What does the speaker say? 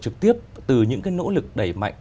trực tiếp từ những cái nỗ lực đẩy mạnh